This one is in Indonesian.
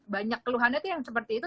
banyak keluhannya tuh yang seperti itu